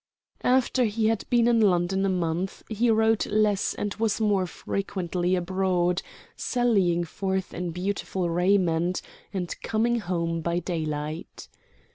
After he had been in London a month he wrote less and was more frequently abroad, sallying forth in beautiful raiment, and coming home by daylight.